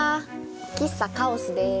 喫茶カオスです。